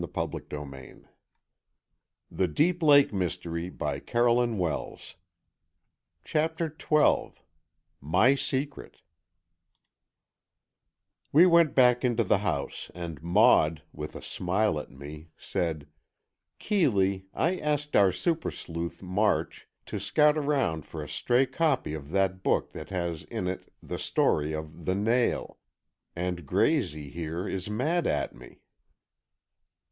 But she only laughed at me, and changed the subject. CHAPTER XII MY SECRET We went back into the house and Maud, with a smile at me, said: "Keeley, I asked our super sleuth, March, to scout around for a stray copy of that book that has in it the story of The Nail, and Graysie, here, is mad at me."